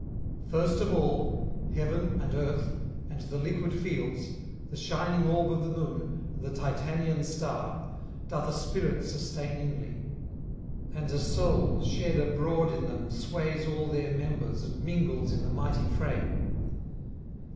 'First of all, heaven and earth and the liquid fields, the shining orb of the moon and the Titanian star, doth a spirit sustain inly, and a soul shed abroad in them sways all their members and mingles in the mighty frame.